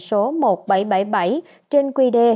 số một nghìn bảy trăm bảy mươi bảy trên quy đề